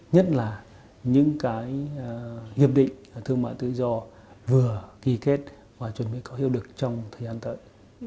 nhất là những cái hiệp định thương mại tự do vừa kỳ kết và chuẩn bị có hiệu lực trong thời gian tới